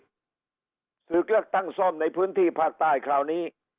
ศึกเลือกตั้งซ่อมในพื้นที่ภาคใต้คราวนี้